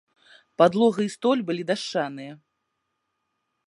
Падлога і столь былі дашчаныя.